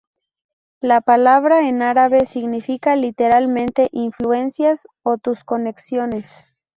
La palabra en árabe significa literalmente 'influencias' o 'tus conexiones'.